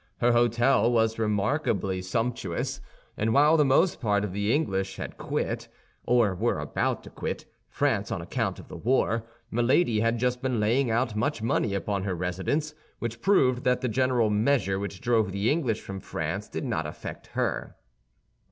Her hôtel was remarkably sumptuous, and while the most part of the English had quit, or were about to quit, France on account of the war, Milady had just been laying out much money upon her residence; which proved that the general measure which drove the English from France did not affect her.